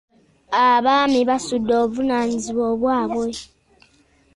Abaami basudde obuvunaanyizibwa bwabwe.